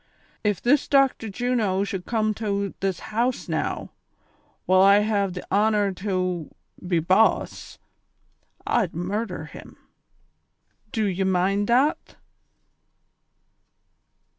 Ef this Doclitor Juno should com tow tliis liouse now, while I have the honor tow be boss, I'd murhder him. Do ye mind that!'